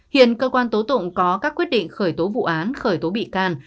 hiện cơ quan tố tụng có các quyết định khởi tố vụ án khởi tố bị can